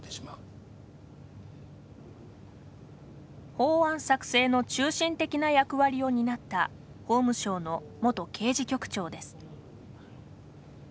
法案作成の中心的な役割を担った法務省の元刑事局長です。